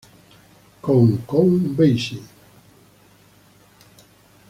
Con Count Basie